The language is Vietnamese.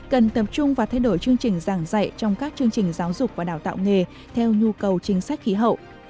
cần tập trung và thay đổi chương trình giảng dạy trong các chương trình giáo dục và đào tạo nghề theo nhu cầu chính sách khí hậu